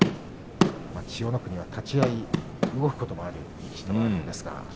千代の国の立ち合い動くこともある力士です。